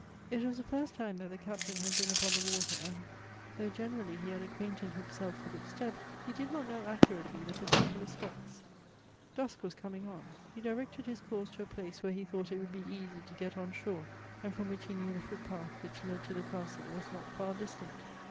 It was the first time that the Captain had been upon the water, and, though generally he had acquainted himself with its depth, he did not know accurately the particular 8]jots. Dusk was coming on ; he directed his course to a place where he tliought it would be easy to get on shore, and from which he knew the footpath which led to the castle was not far distant.